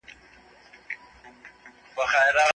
الله تعالی د يوسف سورت په آخر کي فرمايلي دي.